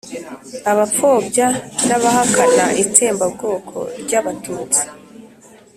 abapfobya n'abahakana itsembabwoko ry'abatutsi